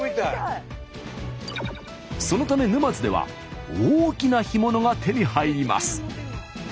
そのため沼津では大きな干物が手に入ります。